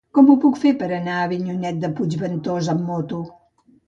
Com ho puc fer per anar a Avinyonet de Puigventós amb moto?